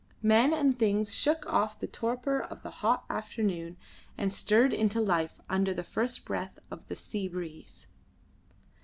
Men and things shook off the torpor of the hot afternoon and stirred into life under the first breath of the sea breeze.